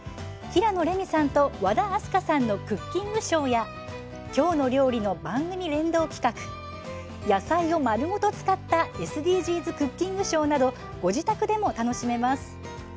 平野レミさんと和田明日香さんのクッキングショーや「きょうの料理」の番組連動企画野菜を丸ごと使ったＳＤＧｓクッキングショーなどご自宅でも楽しめます。